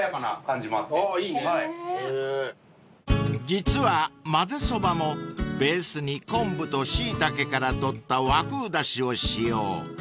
［実はまぜそばもベースに昆布とシイタケから取った和風だしを使用］